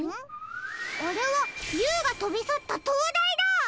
あれはＵがとびさったとうだいだ。